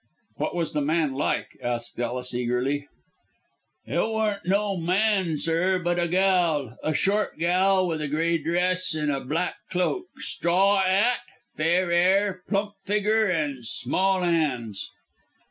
"What was the man like?" asked Ellis, eagerly. "It weren't no man, sir, but a gal, a short gal with a grey dress and a black cloak, straw 'at, fair 'air, plump figger, and small 'ands."